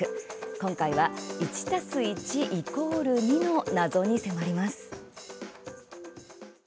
今回は１＋１＝２の謎に迫ります。